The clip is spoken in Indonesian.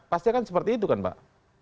pasti akan seperti itu kan pak